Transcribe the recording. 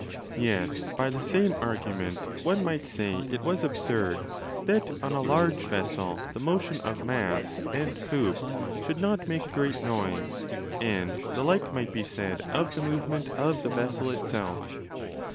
Yet by the same argument one might say it was absurd that on a large vessel the motion of mast and poop should not make a great noise, and the like 15 might be said of the movement of thevesselitself.